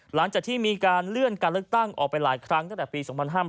หลังจากที่มีการเลื่อนการเลือกตั้งออกไปหลายครั้งตั้งแต่ปี๒๕๕๘